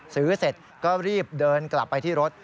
เสร็จก็รีบเดินกลับไปที่รถ